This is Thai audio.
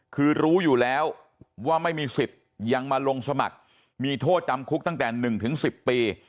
คือรู้อยู่แล้วว่าไม่มีสิทธิ์ยังมาลงสมัครมีโทษจำคุกตั้งแต่๑๑๐ปี